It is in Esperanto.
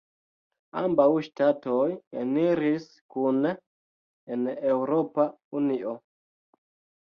Ambaŭ ŝtatoj eniris kune en Eŭropa Unio.